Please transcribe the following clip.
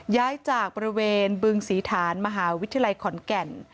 ย้ายจากบริเวณบึงศรีฐานมหาวิทยาลัยขอนแก่น